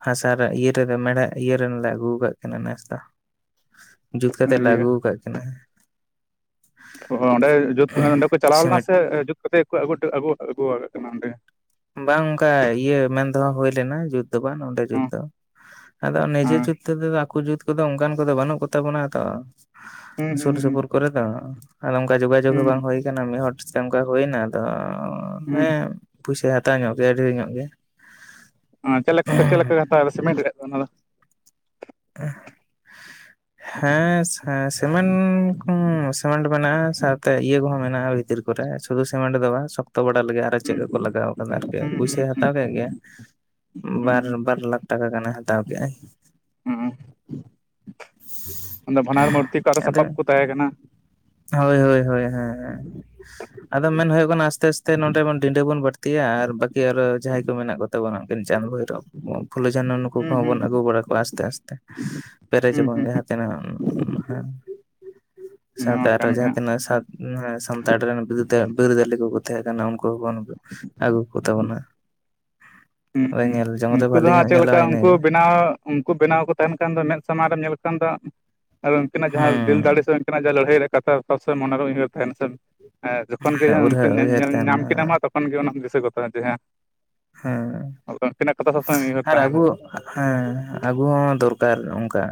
ᱦᱟᱥᱟ ᱨᱮ ᱤᱭᱟᱹ ᱨᱮᱫᱚ ᱢᱮᱲᱦᱮᱫ ᱤᱭᱟᱹ ᱨᱮᱱᱞᱮ ᱟᱹᱜᱩ ᱠᱟᱜ ᱠ ᱱᱮᱥ ᱫᱚ ᱡᱩᱛ ᱠᱟᱛᱮ ᱞᱮ ᱤᱭᱟᱹ ᱟᱹᱜᱩᱣ ᱠᱟᱫ ᱠᱤᱱᱟ ᱚ ᱚᱸᱰᱮ ᱠᱚ ᱪᱟᱞᱟᱣ ᱞᱮᱱᱟ ᱥᱤᱢᱮᱱᱴ ᱥᱮ ᱡᱩᱛ ᱠᱟᱛᱮᱫ ᱠᱚᱜᱮ ᱠᱩ ᱟᱹᱜᱩᱣᱟᱜ ᱟ. ᱜᱩᱣᱟᱜᱟᱹ ᱠᱤᱱᱟ ᱚᱸᱰᱮ ᱵᱟᱝ ᱚᱱᱠᱟ ᱤᱭᱟᱹ ᱢᱮᱱ ᱫᱚ ᱦᱚ ᱦᱳᱭ ᱞᱮᱱᱟ ᱵᱟᱝ ᱱᱚᱸᱰᱮ ᱡᱩᱛ ᱫᱚ ᱟᱫᱚ ᱱᱤᱡᱮ ᱦᱚᱸ ᱡᱩᱛ ᱛᱮᱫᱚ ᱟᱠᱚ ᱡᱩᱛ ᱤᱛ ᱚᱱᱠᱟᱱ ᱠᱚᱫᱚ ᱵᱟᱹᱱᱩᱜ ᱠᱚᱛᱟ ᱵᱚᱱᱟ ᱛᱚ ᱦᱮᱸ ᱥᱩᱨ ᱦᱩᱸ ᱥᱩᱯᱩᱨ ᱠᱚᱨᱮ ᱫᱚ ᱟᱫᱚ ᱚᱱᱠᱟᱱ ᱡᱳᱜᱟᱡᱳᱜᱽ ᱦᱚᱸ ᱵᱟᱝ ᱦᱩᱸ ᱦᱩᱭ ᱟᱠᱟᱱᱟ ᱢᱤᱫ ᱦᱚᱲ ᱥᱟᱛᱮ ᱚᱱᱠᱟ ᱦᱩᱭ ᱮᱱᱟ ᱟᱫᱚ ᱦᱩᱸ ᱦᱩᱸ ᱦᱩᱸ ᱦᱮᱸ ᱯᱩᱭᱥᱟᱭ ᱦᱟᱛᱟᱣ ᱧᱚᱜ ᱠᱮᱫᱟ ᱰᱷᱮᱨ ᱧᱚᱜ ᱜᱮ ᱪᱮᱫ ᱞᱮᱠᱟ ᱪᱮᱫ ᱞᱮᱠᱟ ᱠᱚ ᱦᱟᱛᱟᱣᱫᱟ [unintelligible] ᱦᱮᱸ ᱦᱮᱸ ᱥᱤᱢᱮᱱᱴ ᱥᱤᱢᱮᱱᱴ ᱢᱮᱱᱟᱜᱼᱟ ᱥᱟᱶᱛᱮ ᱤᱭᱟᱹ ᱠᱚᱦᱚᱸ ᱢᱮᱱᱟᱜᱼᱟ ᱵᱷᱤᱛᱤᱨ ᱠᱚᱨᱮ ᱥᱩᱫᱷᱩ ᱥᱤᱢᱮᱱᱴ ᱫᱚ ᱵᱟᱝ ᱥᱚᱠᱛᱚ ᱥᱤᱫᱷᱩ ᱥᱩᱫᱷᱩ ᱥᱤᱴᱮᱴ ᱫᱚ ᱵᱟᱝ ᱥᱚᱠᱚᱛ ᱵᱚᱰᱟᱨ ᱞᱟᱹᱜᱤᱫ ᱟᱨ ᱪᱮᱫ ᱦᱩᱸ ᱠᱚ ᱠᱚ ᱞᱟᱜᱟᱣ ᱟᱠᱟᱫᱟ ᱟᱨᱠᱤ ᱦᱩᱸ ᱦᱩᱸ ᱯᱩᱭᱥᱟᱭ ᱦᱟᱛᱟᱣ ᱠᱮᱫ ᱜᱮᱭᱟ᱾ ᱵᱟᱨ ᱦᱩᱸ ᱵᱟᱨ ᱞᱟᱠᱷ ᱴᱟᱠᱟ ᱜᱟᱱᱮ ᱦᱟᱛᱟᱣ ᱠᱮᱜᱭᱟᱭ ᱚᱱᱟ ᱵᱟᱱᱟᱨ ᱢᱩᱨᱛᱤ ᱠᱚ ᱟᱨᱚ ᱟᱫᱚ ᱥᱟᱯᱟᱵ ᱠᱚ ᱛᱟᱦᱮᱸ ᱠᱟᱱᱟ ᱦᱳᱭ ᱦᱳᱭ ᱦᱳᱭ ᱦᱳᱭ ᱟᱫᱚ ᱢᱮᱱ ᱦᱩᱭᱩᱜ ᱠᱟᱱᱟ ᱟᱥᱛᱮ ᱟᱥᱛᱮ ᱱᱚᱸᱰᱮ ᱰᱤᱰᱟᱹ ᱵᱚᱱ ᱵᱟᱹᱲᱛᱤᱭᱟ ᱟᱨ ᱵᱟᱹᱠᱤ ᱟᱨᱚ ᱡᱟᱦᱟᱸᱭ ᱠᱚ ᱢᱮᱱᱟᱜ ᱠᱚᱛᱟ ᱵᱚᱱᱟ ᱪᱟᱸ ᱵᱷᱳᱭᱨᱳ ᱯᱷᱩᱞᱳ ᱡᱟᱱᱚ ᱱᱩᱠᱩ ᱦᱩᱸ ᱠᱚᱦᱚᱸ ᱦᱩᱸ ᱵᱚᱱ ᱟᱹᱜᱩ ᱵᱟᱲᱟ ᱠᱚᱣᱟ ᱟᱥᱛᱮ ᱟᱥᱛᱮ ᱦᱩᱸ ᱯᱮᱨᱮᱡᱟᱵᱚᱱ ᱦᱩᱸ ᱱᱤᱦᱟᱸ ᱛᱟᱱᱟᱜ ᱦ ᱦᱮᱸ ᱥᱟᱶᱛᱮ ᱱᱟᱠᱚ ᱡᱟᱦᱟᱸ ᱛᱤᱱᱟᱹᱜ ᱥᱟᱱᱛᱟᱲ ᱨᱮᱱ ᱵᱤᱨᱫᱟᱹᱞᱤ ᱠᱚᱠᱚ ᱛᱟᱦᱮᱸ ᱠᱟᱱᱟ ᱩᱱᱠᱩ ᱦᱚᱸᱵᱚᱱᱩ ᱟᱹᱜᱩ ᱦᱩᱭᱠᱩᱜ ᱛᱟᱵᱚᱱᱟ ᱦᱸᱸ ᱩᱱᱠᱩ ᱫᱚ ᱵᱷᱟᱞᱤ ᱦᱟᱸᱜ ᱧᱚᱜ ᱪᱮᱫᱞᱮᱠᱟ ᱧᱮᱞᱚᱜᱼᱟ ᱩᱱᱠᱩ ᱤᱱᱟᱹᱜᱮ ᱵᱮᱱᱟᱣ ᱩᱱᱠᱩ ᱵᱮᱱᱟᱣ ᱠᱚ ᱛᱟᱦᱮᱱ ᱠᱷᱟᱱ ᱫᱚ ᱢᱮᱫ ᱥᱟᱢᱟᱝ ᱨᱮᱢ ᱧᱮᱞ ᱠᱚᱣᱟ ᱠᱟᱱᱫᱚᱜ ᱟᱨ ᱩᱱᱠᱤᱱᱟᱜ ᱡᱟᱦᱟᱸ ᱫᱤᱞ ᱫᱟᱲᱮ ᱦᱩᱸ, ᱥᱮ ᱩᱱᱠᱤᱱᱟᱜ ᱡᱟᱦᱟᱸ ᱞᱟᱹᱲᱦᱟᱹᱭ ᱨᱮ ᱠᱟᱛᱷᱟᱛ ᱥᱮ ᱢᱚᱱᱮᱨᱮ ᱩᱭᱦᱟᱹᱨ ᱛᱟᱦᱮᱱᱟ ᱥᱮ ᱡᱚᱠᱷᱚᱱ ᱦᱮᱸ ᱜᱮᱢ ᱩᱨᱦᱟᱹ ᱩᱭᱦᱟᱹᱨ ᱛᱟᱦᱮᱱᱟ ᱧᱮᱞᱧᱟᱢᱟ ᱛᱚᱠᱷᱚᱱ ᱜᱮ ᱚᱱᱟᱢ ᱫᱤᱥᱳᱭᱟ [unintelligible] ᱦᱮᱸ ᱟᱨ ᱛᱟᱦᱮᱱᱟ ᱟᱹᱜᱩ ᱦᱮᱸ ᱟᱹᱜᱩ ᱦᱚᱸ ᱫᱚᱨᱠᱟᱨ ᱚᱱᱠᱟ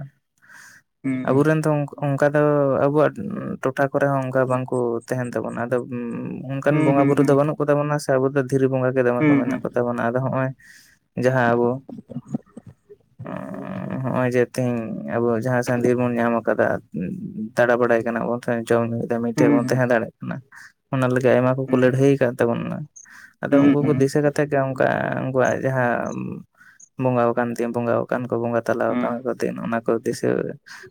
ᱦᱩᱸ ᱟᱵᱚᱨᱮᱱ ᱫᱚ ᱚᱱᱠᱟ ᱫᱚ ᱟᱵᱚᱣᱟᱜ ᱴᱚᱴᱷᱟ ᱠᱚᱨᱮ ᱦᱚᱸ ᱚᱱᱠᱟ ᱵᱟᱝᱠᱚ ᱳ ᱛᱮᱦᱮᱧ ᱛᱟᱵᱚᱱ ᱟᱫ ᱚᱱᱠᱟᱱ ᱦᱩᱸ ᱵᱚᱸᱜᱟ ᱦᱩᱸ ᱵᱩᱨᱩ ᱫᱚ ᱵᱟ. ᱱᱩᱜ ᱠᱚᱛᱟ ᱵᱚᱱᱟ ᱥᱮ ᱫᱷᱤᱨᱤ ᱵᱚᱸᱜᱟ ᱜᱮ ᱫᱚᱢᱮ ᱠᱚ ᱦᱩᱸ ᱢᱮᱱᱟ ᱦᱩᱸ ᱠᱚᱵᱚᱱᱟ ᱟᱫ ᱦᱚᱸᱼᱚᱭ ᱡᱟᱦᱟᱸ ᱟᱵᱚ ᱦᱚᱸᱜᱼᱚᱭ ᱡᱮ ᱛᱮᱦᱤᱧ ᱟᱵᱚ ᱡᱟᱦᱟᱸ [unintelligible] ᱵᱚᱱ ᱧᱟᱢ ᱟᱠᱟᱫᱟ ᱫᱟᱬᱟ ᱵᱟᱲᱟᱭ ᱠᱟᱱᱟ ᱵᱚᱱ ᱪᱚᱝ ᱢᱤᱫᱫᱷᱣ ᱢᱤᱫᱴᱷᱮᱡ ᱦᱩᱸ ᱵᱚᱱ ᱦᱩᱸ ᱛᱟᱦᱮᱸ ᱫᱟᱲᱮᱭᱟᱜ ᱠᱟᱱᱟ ᱚᱱᱟ ᱞᱟᱹᱜᱤᱫ ᱟᱭᱢᱟ ᱠᱚᱠᱚ ᱦᱩᱸ ᱞᱟᱹᱲᱦᱟᱹᱭ ᱟᱠᱟᱫ ᱛᱟᱵᱚᱱᱟ ᱦᱩᱸ ᱟᱫᱚ ᱦᱩᱸ ᱩᱱᱠᱩ ᱠᱚ ᱦᱩᱸ ᱫᱤᱥᱟᱹ ᱠᱟᱛᱮ ᱩᱱᱠᱩᱣᱟ ᱩᱱᱠᱩᱣᱟᱜ ᱡᱟᱦᱟᱸ ᱵᱚᱸᱜᱟ ᱟᱠᱟᱱ ᱛᱤᱧ ᱵᱚᱸᱜᱟ ᱟᱠᱟᱱ ᱠᱚ ᱵᱚᱸᱜᱟ ᱛᱟᱞᱟ ᱦᱩᱸ ᱟᱠᱟᱱ ᱠᱚ ᱫᱤᱱ ᱚᱱᱟ ᱠᱚ ᱫᱤᱥᱟᱹ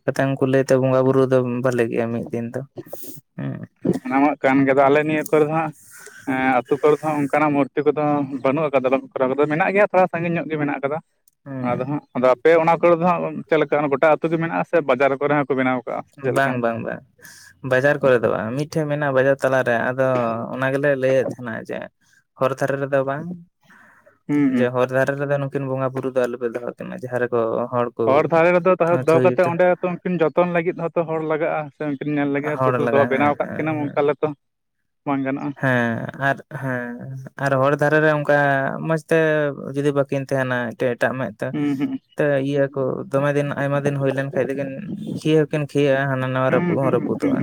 ᱩᱱᱠᱩ ᱞᱟᱹᱭ ᱛ ᱵᱚᱸᱜᱟ ᱵᱩᱨᱩ ᱫᱚ ᱵᱟᱞᱮ ᱜᱮᱭᱟ ᱢᱤᱫ ᱫᱤᱱ ᱫᱚ ᱦᱸ ᱱᱟᱣᱟᱜ ᱠᱟᱱ ᱜᱮᱫᱚ ᱟᱞᱮ ᱱᱤᱭᱟᱹ ᱠᱚᱨᱮ ᱦᱚ ᱟᱛᱳ ᱠᱚᱨᱮ ᱫᱚ ᱚᱱᱠᱟᱱᱟᱜ ᱢᱩᱨᱛᱤ ᱵᱟᱹᱱᱩᱜ ᱟᱠᱟᱫᱟ ᱵᱟᱝᱠᱚ ᱠᱨᱟᱣ ᱟᱠᱟᱫᱟ ᱢᱮᱱᱟᱜ ᱜᱮᱭᱟ ᱛᱷᱚᱲᱟ ᱥᱟᱺᱜᱤᱧ ᱧᱚᱜ ᱜᱮ ᱢᱮᱱᱟᱜ ᱟᱠᱟᱫᱟ᱾ ᱟᱫᱚ ᱦᱟᱸᱜ ᱦᱩᱸ ᱟᱫᱚ ᱟᱯᱮ ᱚᱱᱟ ᱠᱚᱨᱮ ᱫᱚ ᱦᱟᱸᱜ ᱪᱮᱫᱞᱮᱠᱟ ᱜᱚᱴᱟ ᱟᱹᱛᱩ ᱜᱮ ᱢᱮᱱᱟᱜᱼᱟ ᱥᱮ ᱵᱟᱡᱟᱨ ᱠᱚᱨᱮ ᱦᱚᱸᱠᱚ ᱵᱮᱱᱟᱣᱟᱜ ᱵᱟᱝ ᱵᱟᱝ ᱵᱟᱝ ᱵᱟᱡᱟᱨ ᱠᱚᱨᱮ ᱫᱚ ᱵᱟᱝ ᱢᱤᱫᱴᱷᱮᱱ ᱢᱮᱱᱟᱜᱼᱟ ᱵᱟᱡᱟᱨ ᱛᱟᱞᱟᱨᱮ ᱟᱫᱚ ᱚᱱᱟ ᱜᱮᱞᱮ ᱞᱟᱹᱭᱮᱫ ᱛᱟᱦᱮᱱᱟ ᱡᱮ ᱦᱚᱨ ᱫᱷᱟᱨᱮ ᱨᱮᱫᱚ ᱵᱟᱝ ᱦᱩᱸ ᱦᱩᱸ ᱡᱮ ᱦᱚᱨ ᱫᱷᱟᱨᱮ ᱨᱮᱫᱚ ᱱᱩᱠᱤᱱ ᱵᱚᱸᱜᱟ ᱵᱩᱨᱩ ᱱᱩᱠᱩ ᱫᱚ ᱟᱞᱳ ᱯᱮ ᱫᱚᱦᱚᱜᱚᱠᱤᱱᱟ ᱡᱟᱦᱟᱸᱨᱮᱠᱚ ᱦᱚᱲ ᱫᱷᱟᱨᱮ ᱨᱮᱫᱚ ᱛᱟᱦᱚᱞᱮ ᱫᱚᱦᱚ ᱠᱟᱛᱮᱫ ᱚᱸᱰᱮᱚ ᱩᱱᱠᱤᱱ ᱡᱚᱛᱚᱱ ᱞᱟᱹᱜᱤᱫ ᱦᱚᱸᱛᱚ ᱦᱚᱲ ᱞᱟᱜᱟᱜᱼᱟ ᱩᱱᱠᱤᱱ ᱧᱮᱞ ᱞᱮᱜᱮ ᱦᱚᱲ ᱦᱚᱛᱚ ᱞᱟᱜᱟ ᱦᱮᱸ ᱵᱮᱱᱟᱣ ᱟᱠᱟᱫ ᱦᱮᱸ ᱠᱤᱱᱟᱢ ᱦᱮᱸ ᱚᱱᱠᱟ ᱦᱚᱛᱚ ᱦᱮᱸ ᱟᱨ ᱦᱮᱸ ᱟᱨ ᱦᱚᱨ ᱫᱷᱟᱨᱮ ᱨᱮ ᱚᱱ ᱚᱱᱠᱟ ᱢᱚᱡᱽᱛᱮ ᱡᱩᱫᱤ ᱵᱟᱹᱠᱤᱱ ᱛᱟᱦᱮᱱᱟ ᱮᱴᱟᱜ ᱢᱮᱫ ᱛᱮ ᱦᱩᱸ ᱦᱩᱸ ᱛᱮ ᱤᱭᱟᱹ ᱠᱚ ᱫᱚᱢᱮ ᱫᱤᱱ ᱟᱭᱢᱟ ᱫᱤᱱ ᱦᱩᱭ ᱞᱮᱱ ᱠᱷᱟᱱ ᱛᱷᱤᱭᱟ. ᱦᱚᱠᱤ ᱛᱷᱤᱭᱟᱭᱟ ᱨᱟᱹᱯᱩᱫ ᱦᱚᱸ ᱠᱤᱱ ᱦᱩᱸ ᱨᱟᱹᱯᱩᱫᱟ ᱦᱩᱸ ᱦᱩᱸ ᱨᱟᱹᱯᱩᱫᱚᱜᱼᱟ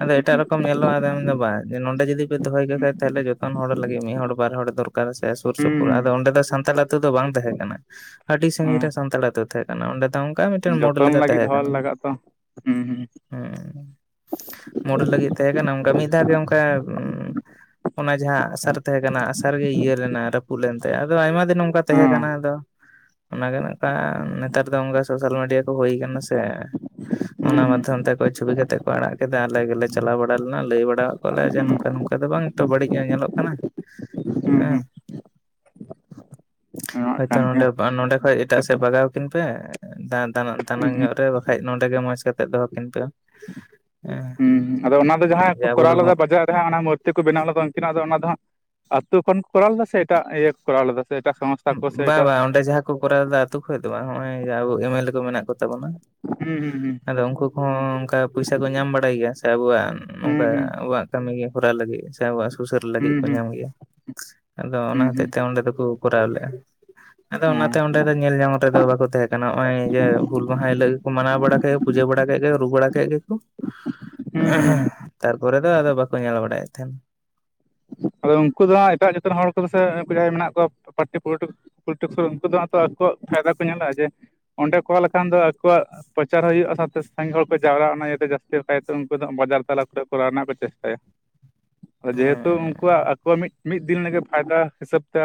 ᱟᱫᱚ ᱮᱴᱟᱜ ᱨᱚᱠᱚᱢ ᱧᱮᱞᱚᱜᱼᱟ ᱟᱫᱚ ᱢᱮᱱ ᱫᱚ ᱵᱟᱝ ᱱᱚᱰᱮ ᱡᱩᱫᱤ ᱯᱮ ᱫᱚᱦᱚᱭ ᱠᱷᱟᱱ ᱡᱚᱛ ᱦᱚᱲ ᱞᱟᱹᱜᱤᱫ ᱢᱤᱫ ᱦᱚᱲ ᱵᱟᱨ ᱦᱚᱲ ᱫᱚᱨᱠᱟᱨ ᱥᱩᱨ ᱦᱩᱸ ᱥᱩᱯᱩᱨ ᱦᱩᱸ ᱟᱫᱚ ᱚᱸᱰᱮ ᱫᱚ ᱥᱼᱼ ᱥᱟᱱᱛᱟᱲ ᱟᱛᱳ ᱫᱚ ᱵᱟᱝ ᱛᱟᱦᱮᱸ ᱠᱟᱱᱟ ᱟᱹᱰᱤ ᱥᱟᱺᱜᱤᱧ ᱦᱩᱸ ᱨᱮ ᱥᱟᱱᱛᱟᱲ ᱟᱛᱳ ᱛᱟᱦᱮᱸ ᱠᱟᱱᱟ ᱚᱸᱰᱮ ᱚᱱᱠᱟ ᱦᱩᱸ ᱢᱤᱫᱴᱮᱱ ᱢᱚᱰᱮᱞ ᱡᱚᱛᱚᱱ ᱞᱮᱠᱟ ᱞᱟᱹᱜᱤᱫ ᱛᱟᱦᱮᱸ ᱦᱚᱲ ᱠᱟᱱᱟ᱾ ᱞᱟᱜᱟᱜᱼᱟ ᱛᱚ ᱦᱩᱸ ᱦᱩᱸ ᱦᱮᱸ ᱢᱚᱲ ᱞᱟᱹᱜᱤᱫ ᱛᱟᱦᱮᱸᱠᱟᱱᱟ ᱚᱱᱠᱟ ᱢᱤᱫ ᱫᱷᱟᱣ ᱜᱮ ᱚᱱᱠᱟ ᱦᱩᱸ ᱚᱱᱟ ᱡᱟᱦᱟᱸ ᱟᱜᱥᱟᱨ ᱛᱟᱦᱮᱸ ᱠᱟᱱᱟ ᱟᱜᱥᱟᱨ ᱜᱮ ᱤᱭᱟᱹ ᱞᱮᱱᱟ ᱨᱟᱹᱯᱩᱫ ᱞᱮᱱ ᱛᱟᱭᱟ ᱟᱫᱚ ᱟᱭ ᱱᱚᱝᱠᱟ ᱦᱚᱸ ᱛᱟᱦᱮᱸ ᱠᱟᱱᱟ ᱟᱫᱚ ᱚᱱᱟᱜᱮ ᱱᱚᱝᱠᱟ ᱱᱮᱛᱟᱨ ᱫᱚ ᱱᱝᱠᱟ ᱥᱳᱥᱟᱞ ᱢᱤᱰᱤᱭᱟ ᱛ ᱦᱩᱭ ᱠᱟᱱᱟ ᱥᱮ ᱦᱩᱸ ᱚᱱᱟ ᱦᱩᱸ ᱢᱟᱫᱽᱫᱷᱚᱢ ᱛᱮ ᱚᱠᱚ ᱪᱷᱚᱵᱤ ᱠᱟᱛᱮ ᱠᱚ ᱟᱲᱟᱜ ᱠᱮᱫᱟ ᱟᱞᱮ ᱜᱮᱞᱮ ᱪᱟᱞᱟᱣ ᱵᱟᱲᱟ ᱞᱮᱱᱟ ᱞᱟᱹᱭ ᱵᱟᱲᱟᱳ ᱠᱚᱣᱟ ᱞᱮᱭᱟ ᱡᱮ ᱱᱚᱝᱠᱟ ᱱᱚᱝᱠᱟ ᱫᱚ ᱵᱟᱝ ᱱᱤᱛᱚ ᱵᱟᱹᱲᱤᱡ ᱧᱚᱜ ᱧᱮᱞᱚᱜ ᱠᱟᱱᱟ ᱦᱩᱸ ᱦᱮᱸ ᱦᱩᱸ ᱧᱟᱢᱚᱜ ᱦᱳᱭᱛᱳ ᱠᱟᱱ ᱜᱮᱭᱟ ᱱᱚᱰᱮ ᱱᱚᱰᱮ ᱠᱷᱚᱡ ᱮᱴᱟᱜ ᱥᱮᱫ ᱵᱟᱜᱟᱣᱠᱤᱱ ᱯᱮ ᱦᱩᱸ ᱫᱟᱱᱟᱝ ᱦᱩᱸ ᱧᱚᱜ ᱨᱮ ᱵᱟᱠᱷᱟᱡ ᱱᱚᱰᱮ ᱜᱮ ᱢᱚᱸᱡᱽ ᱠᱟᱛᱮᱜ ᱫᱚᱦᱚ ᱠᱤᱱ ᱯᱮ ᱦᱮᱸ ᱦᱸ ᱟᱫᱚ ᱚᱱᱟ ᱫᱚ ᱡᱟᱦᱟᱸ ᱡᱮ ᱟᱵᱚ ᱠᱚᱨᱟᱣ ᱫᱚᱵᱚ ᱞᱮᱫᱟ ᱵᱟᱡᱟᱨ ᱨᱮ ᱦᱟᱜ ᱚᱱᱟ ᱢᱩᱨᱛᱤ ᱠᱚ ᱵᱮᱱᱟᱣ ᱞᱮᱫᱟ ᱩᱱᱠᱤᱱᱟᱜ ᱫᱚ ᱚᱱᱟ ᱫᱚ ᱦᱟᱸᱜ ᱟᱹᱛᱩ ᱠᱷᱚᱱ ᱠᱚᱨᱟᱣ ᱞᱮᱫᱟ ᱥᱮ ᱮᱴᱟᱜ ᱤᱭᱟᱹ ᱠᱚ ᱠᱚᱨᱟᱣ ᱞᱮᱫᱟ ᱥᱮ ᱮᱴᱟᱜ ᱥᱚᱝᱥᱛᱷᱟ ᱠᱚ ᱥᱮ ᱵᱟᱝ ᱮᱴᱟᱜ ᱵᱟᱝ ᱚᱸᱰᱮ ᱡᱟᱦᱟᱸ ᱠᱚ ᱠᱚᱨᱟᱣᱫᱟ ᱟᱹᱛᱩ ᱠᱷᱚᱱ ᱫᱚ ᱵᱟᱝ ᱱᱚᱜ-ᱚᱭ ᱟᱵᱚ ᱮᱢᱮᱞᱮ ᱠᱚ ᱢᱮᱱᱟᱜ ᱠᱚ ᱛᱟᱵᱚᱱᱟ ᱦᱩᱸ ᱦᱩ ᱦᱩᱸ ᱟᱫᱚ ᱩᱱᱠᱩ ᱠᱚᱦᱚᱸ ᱚᱱᱠᱟ ᱯᱚᱭᱥᱟ ᱠᱚ ᱧᱟᱢ ᱵᱟᱲᱟᱭ ᱜᱮᱭᱟ ᱥᱮ ᱟᱵᱚᱣᱟᱜ ᱦᱩᱸ ᱱᱚᱝᱠᱟ ᱟᱵᱚᱣᱟᱜ ᱠᱟᱹᱢᱤ ᱜᱮ ᱠᱷᱚᱨᱟᱣ ᱞᱟᱹᱜᱤᱫ ᱥᱮ ᱟᱵᱚᱣᱟᱜ ᱥᱩᱥᱟᱹᱨᱟ ᱞᱟᱹᱜᱤᱫ ᱦᱩᱸ ᱠᱚ ᱦᱩᱸ ᱧᱟᱢ ᱜᱮᱭᱟ ᱟᱫᱚ ᱚᱱᱟ ᱦᱩᱸ ᱦᱩᱸ ᱦᱚᱛᱮᱡ ᱦᱩᱸ ᱦᱩᱸ ᱛᱮ ᱚᱸᱰᱮ ᱫᱚᱠᱚ ᱠᱚᱨᱟᱳ ᱞᱮ-ᱟ ᱟᱫᱚ ᱦᱩᱸ ᱦᱩᱸ ᱚᱱᱟᱛᱮ ᱚᱸᱰᱮ ᱫᱚ ᱧᱮᱞ ᱧᱚᱝ ᱨᱮᱫᱚ ᱵᱟᱠᱚ ᱛᱟᱦᱮᱸᱠᱟᱱᱟ ᱱᱚᱭ ᱡᱮ ᱦᱩᱞ ᱢᱟᱦᱟ ᱦᱤᱞᱳᱜ ᱜᱮᱠᱚ ᱢᱟᱱᱟᱣ ᱵᱟᱲᱟ ᱠᱷᱟ ᱯᱩᱡᱟᱹ ᱵᱟᱲᱟ ᱠᱮᱫ ᱜᱮ ᱨᱩ ᱵᱟᱲᱟ ᱠᱮᱫ ᱜᱮᱠᱚ ᱦᱩᱸ ᱦᱩᱸ ᱦᱩᱸ ᱛᱟᱨᱯᱚᱨᱮ ᱫᱚ ᱟᱫᱚ ᱵᱟᱠᱚ ᱧᱮᱞ ᱵᱟᱲᱟᱭᱟ ᱛᱮᱱ [inaudible] ᱟᱫᱚ ᱩᱱᱠᱩ ᱫᱚ ᱦᱟᱸᱜ ᱮᱴᱟᱜ ᱡᱮᱛ ᱨᱮᱱ ᱦᱚᱲ ᱠᱚᱫᱚ ᱡᱟᱦᱟᱸᱭ ᱢᱮᱱᱟᱜ ᱠᱚᱣᱟ ᱯᱟᱴᱤ ᱯᱚᱞᱤᱴᱤᱠᱥ ᱠᱚ ᱩᱱᱠᱩ ᱫᱚ ᱦᱟ ᱛᱚ ᱟᱠᱚᱣᱟᱜ ᱯᱷᱟᱭᱫᱟ ᱠᱚ ᱧᱮᱚᱜ ᱡᱮ ᱚᱸᱰᱮ ᱠᱚᱨ ᱞᱮᱠᱷᱟᱱ ᱠᱟᱤᱫᱟᱯᱮ ᱧᱮᱞ ᱫᱚ ᱟᱠᱚᱣᱟᱜ ᱯᱨᱚᱪᱟᱨ ᱦᱚᱸ ᱦᱩᱭᱩᱜ-ᱟ ᱥᱟᱶᱛᱮ ᱥᱟᱜᱤᱸᱧ ᱦᱚᱲ ᱠᱚ ᱡᱟᱣᱨᱟᱜ-ᱟ ᱚᱱᱟ ᱤᱭᱟ ᱛᱮ ᱡᱟᱹᱥᱛᱤ ᱞᱮ ᱠᱟᱭᱛᱮ ᱩᱱᱠᱩ ᱫᱚ ᱵᱟᱡᱟᱨ ᱛᱟᱞᱟ ᱠᱚᱨᱮ ᱠᱚ ᱨ ᱨᱮᱱᱟᱜ ᱠᱚ ᱪᱮᱥᱴᱟᱭᱟ [inaudible] [unintelligible] ᱦᱩᱸ ᱟᱠᱚᱣᱟᱜ ᱢᱤᱫ ᱢᱤᱫ ᱫᱤᱱ ᱞᱟᱹᱜᱤᱫ ᱯᱷᱟᱭᱫᱟ ᱦᱤᱥᱟᱹᱵ ᱛᱮ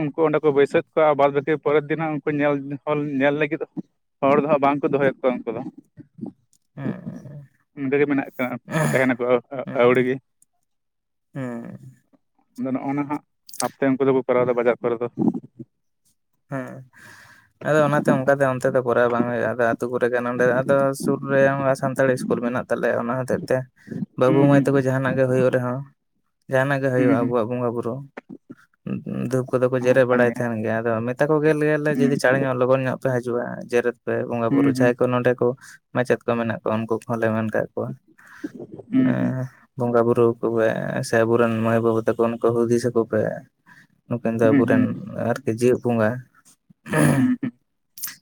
ᱩᱱᱠᱩ ᱚᱸᱰᱮ ᱠᱚ ᱵᱟᱹᱭᱥᱟᱹᱫ ᱠᱚᱣᱟ ᱵᱟᱨᱟᱹᱴᱤ ᱵᱟᱫᱽ ᱵᱟᱠᱤ ᱯᱚᱨᱮᱨ ᱤᱱᱟᱜ ᱩᱱᱠᱩ ᱧᱮᱞ ᱧᱮᱞ ᱞᱟᱹᱜᱤᱫ ᱦᱚᱲ ᱫᱚᱦᱟᱸᱜ ᱵᱟᱝᱠᱚ ᱫᱚᱦᱚᱭᱮᱫ ᱠᱚᱣᱟ ᱩᱱᱠᱩ ᱫᱚ ᱦᱩᱸ ᱚᱸᱰᱮ ᱜᱮ ᱢᱮᱱᱟᱜ ᱠᱟ ᱛᱟᱦᱮᱱᱟᱠᱚ ᱟᱣᱲᱤ ᱜᱮ ᱦᱮᱸ ᱟᱫᱚ ᱱᱚᱜ-ᱚ ᱱᱟ ᱦᱟᱸᱜ ᱟᱯᱮ ᱚᱱ ᱛᱮ ᱫᱚᱠᱚ ᱠᱚᱨᱟᱣᱫᱟ ᱵᱟᱡᱟᱨ ᱠᱚᱨᱮ ᱫᱚ ᱦᱮᱸ ᱟᱫᱚ ᱚᱱᱟᱛᱮ ᱚᱱᱠᱟ ᱫᱚ ᱚᱱᱛᱮ ᱫᱚ ᱠᱚᱨᱟᱣ ᱵᱟᱝ ᱦᱩᱭᱩᱜ-ᱟ ᱟᱫᱚ ᱟᱛᱩ ᱠᱚᱨᱮ ᱠᱟᱱᱟ ᱚᱸᱰᱮ ᱟᱫᱚ ᱥᱩᱨ ᱨᱮ ᱥᱟᱱᱛᱟᱲᱤ ᱤᱥᱠᱩᱞ ᱢᱮᱱᱟᱜ ᱛᱟᱞᱮᱭᱟ ᱚᱱᱟ ᱦᱚᱛᱮᱜ ᱛᱮ ᱵᱟᱹᱵᱩ ᱦᱩᱸ ᱢᱟᱹᱭ ᱦᱩᱸ ᱛᱟᱠᱚ ᱡᱟᱦᱟᱱᱟᱜ ᱜᱮ ᱦᱩᱭᱩᱜ ᱨᱮᱦᱚᱸ ᱡᱟᱦᱟᱱᱟᱜ ᱜᱮ ᱦᱩᱸ ᱦᱩᱭᱩᱜ-ᱟ ᱦᱩᱸ ᱟᱵᱚᱣᱟᱜ ᱵᱚᱸᱜᱟ ᱵᱩᱨᱩ ᱫᱷᱩᱯ ᱠᱚᱫᱚ ᱠᱚ ᱡᱮᱨᱫ ᱵᱟᱲᱟᱭ ᱛᱟᱦᱮᱱ ᱜᱮᱭᱟ ᱟᱫᱚ ᱢᱮᱛᱟ ᱠᱚᱜ ᱜᱮᱭᱟᱞᱮ ᱡᱩᱫᱤ ᱦᱩᱸ ᱪᱟᱬᱮ ᱧᱚᱜ ᱞᱚᱜᱚᱱ ᱧᱚᱜ ᱯᱮ ᱦᱤᱡᱩᱜ-ᱟ ᱡᱮᱨᱮᱫ ᱯᱮ ᱵᱚᱸᱜᱟ ᱦᱩᱸ ᱵᱩᱨᱩ ᱦᱩᱸ ᱡᱟᱦᱟᱸᱭ ᱠᱚ ᱱᱚᱰᱮ ᱠᱚ ᱢᱟᱪᱮᱫ ᱠᱚ ᱢᱮᱱᱟᱜ ᱠᱚᱣᱟ ᱩᱱᱠᱩ ᱠᱚᱦᱞᱮ ᱮᱸ ᱠᱚᱣᱟ ᱦᱩᱸ ᱦᱩᱸ ᱵᱚᱸᱜᱟ ᱵᱩᱨᱩ [unintelligible] ᱥᱮ ᱟᱵᱚ ᱨᱮᱱ ᱢᱟᱹᱭ ᱵᱟᱵᱩ ᱛᱟᱠᱚ ᱚᱱᱠᱟ ᱦᱩᱫᱤᱥ ᱟᱠᱚᱯᱮ ᱱᱩᱠᱤᱱ ᱫᱚ ᱦᱩᱸ ᱦᱩᱸ ᱟᱵᱚᱨᱮᱱ ᱦᱩᱸ ᱟᱨᱠᱤ ᱡᱮᱭᱮᱫ ᱵᱚᱸᱜᱟ ᱦᱩᱸ